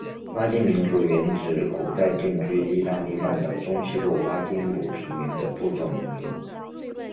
拉丁民族原指古代定居义大利半岛中西部拉丁姆平原的部落民族。